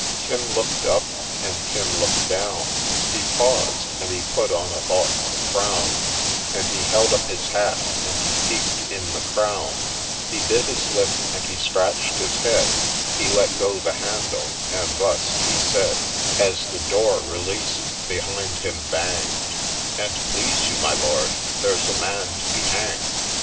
— Tim look'd up, and Tim look'd down, He paused, and he put on a thoughtful frown, And he held up his hat, and he peep'd in the crown ; He bit his lip, and he scratch'd his head, He let go the handle, and thus he said, As the door, released, behind him bang'd :•' An't please you, my Lord, there 'a a man to be hang'd.